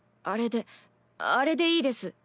あれであれでいいです。